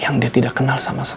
yang dia tidak kenal sama sekali